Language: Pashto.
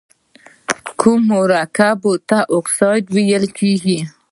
کومو مرکبونو ته اکساید ویل کیږي؟